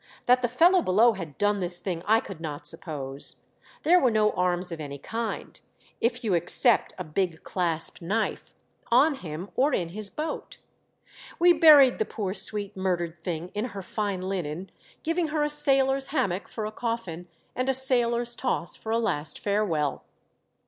That the fellow below had done this thing I could not suppose. There were no arms of any kind — if you except a big clasp knife — on him or in his boat. We buried the poor, 5l6 THE DEATH SHIP. sweet, murdered thing in her fine linen, olivine her a sailor's hammock for a coffin o o and a sailor's toss for a last farewell.